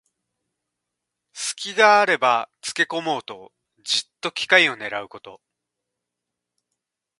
すきがあればつけこもうと、じっと機会をねらうこと。